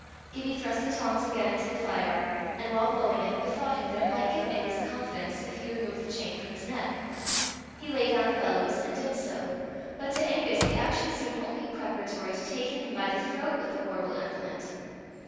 Gibbie thrust the tongs again into the fire, and while blowing it, bethought him that it might give Angus confidence if he removed the chain from his neck. He laid down the bellows, and did so. But to Angus the action seemed only preparatory to taking him by the throat with the horrible implement.